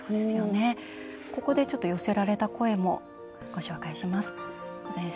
ここで、寄せられた声もご紹介します。